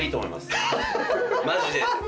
マジで。